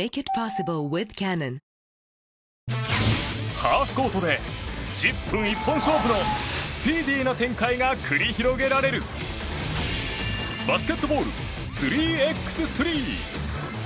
ハーフコートで１０分１本勝負のスピーディーな展開が繰り広げられるバスケットボール３ｘ３。